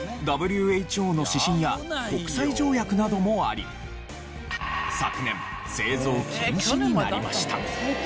ＷＨＯの指針や国際条約などもあり昨年製造禁止になりました。